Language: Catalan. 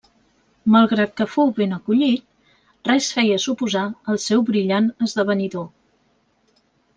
Malgrat que fou ben acollit, res feia suposar el seu brillant esdevenidor.